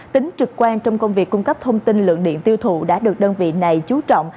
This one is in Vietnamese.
tính trực quan trong công việc cung cấp thông tin lượng điện tiêu thụ đã được đơn vị này chú trọng